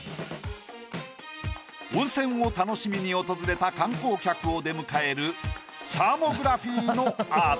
温泉を楽しみに訪れた観光客を出迎えるサーモグラフィーのアート。